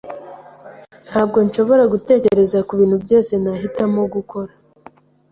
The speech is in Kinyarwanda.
Ntabwo nshobora gutekereza kubintu byose nahitamo gukora.